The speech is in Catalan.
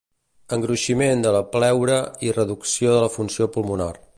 Engruiximent de la pleura i reducció de la funció pulmonar.